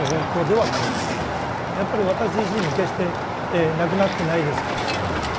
やっぱり私自身も決してなくなってないですので。